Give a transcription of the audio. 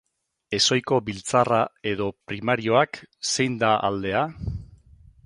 Ezohiko biltzarra edo primarioak, zein da aldea?